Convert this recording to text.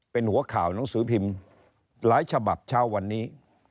เป็นหัวข่าวหนังสือพิมพ์หลายฉบับเช้าวันนี้